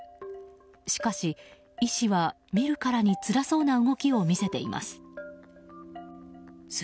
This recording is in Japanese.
しかし、医師は見るからにつらそうな動きを見せています。